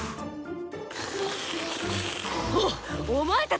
おっお前たち！